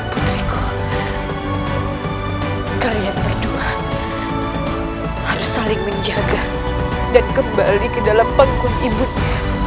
putriku kalian berdua harus saling menjaga dan kembali ke dalam panggung ibunya